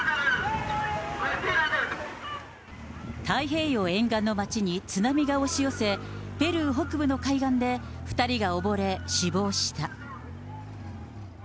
太平洋沿岸の町に津波が押し寄せ、ペルー北部の海岸で２人が溺れ死亡した。